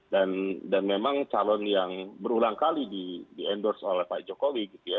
dan memang calon yang berulang kali di endorse oleh pak jokowi gitu ya